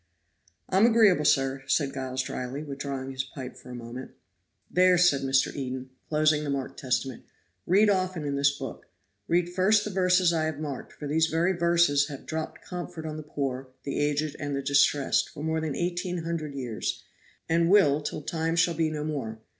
"I'm agreeable, sir," said Giles dryly, withdrawing his pipe for a moment. "There," said Mr. Eden, closing the marked Testament, "read often in this book. Read first the verses I have marked, for these very verses have dropped comfort on the poor, the aged and the distressed for more than eighteen hundred years, and will till time shall be no more.